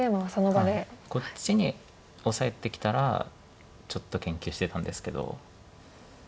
こっちにオサえてきたらちょっと研究してたんですけど。